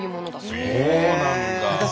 そうなんだ。